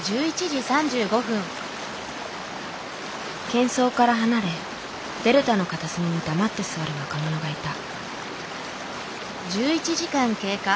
けん騒から離れデルタの片隅に黙って座る若者がいた。